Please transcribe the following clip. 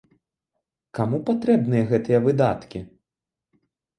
Каму патрэбныя гэтыя выдаткі?